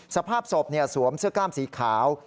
สภาพศพสวมเสื้อกล้ามสีขาว